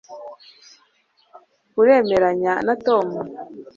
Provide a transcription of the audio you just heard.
uremeranya na tom